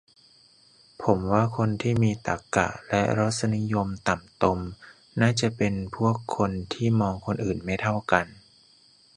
ผมว่าคนที่มีตรรกะและรสนิยมต่ำตมน่าจะเป็นพวกคนที่มองคนอื่นไม่เท่ากัน